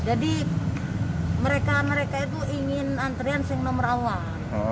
jadi mereka mereka itu ingin antrean yang nomor awal